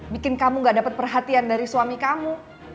bikin kamu nggak dapet perhatian dari suami kamu